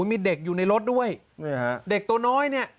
มีเด็กอยู่ในรถด้วยนี่ฮะเด็กตัวน้อยเนี่ย